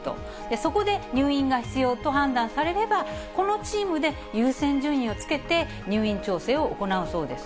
そこで入院が必要と判断されれば、このチームで優先順位をつけて入院調整を行うそうです。